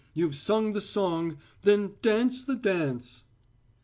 You've sung the song, then dance the dance."